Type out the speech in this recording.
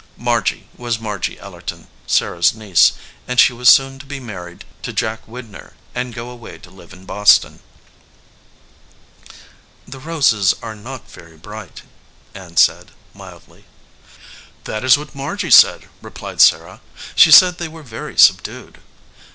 Margy was Margy Ellerton, Sarah s niece, and she was scon to be married to Jack Widner and go away to live in Boston. "The roses are not very bright," Ann said, mildly. "That is what Margy said," replied Sarah. "She said they were very subdued."